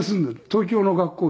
東京の学校